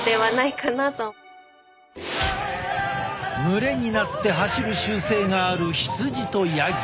群れになって走る習性がある羊とヤギ。